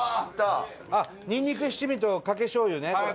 にんにく七味とかけしょうゆね。